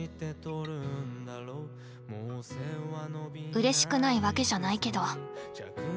うれしくないわけじゃないけど。